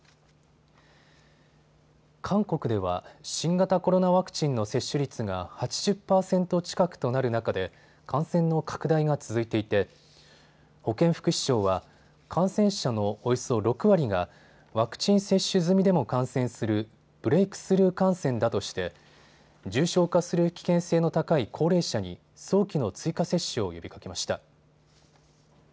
韓国では新型コロナワクチンの接種率が８０％近くとなる中で感染の拡大が続いていて保健福祉相は感染者のおよそ６割がワクチン接種済みでも感染するブレイクスルー感染だとして重症化する危険性の高い高齢者に早期の追加接種を呼びかけました。